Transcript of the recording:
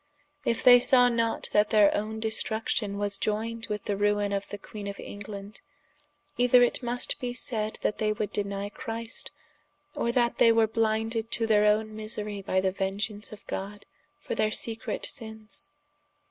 If they saw not that their owne destruction was ioyned with the ruine of the Queene of England, either it must be saide that they woulde denie Christ, or that they were blinded to their owne miserie by the vengeance of God, for their secret sinnes.